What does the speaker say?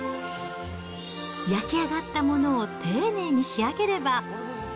焼き上がったものを丁寧に仕上げれば。